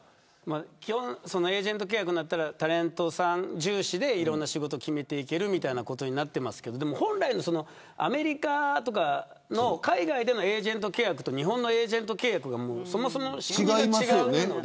基本エージェント契約になったらタレントさん重視でいろんな仕事を決めていけるとなってますけど本来のアメリカとかの海外でのエージェント契約と日本のものはそもそも、全然違うので。